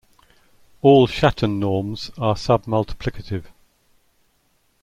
All Schatten norms are sub-multiplicative.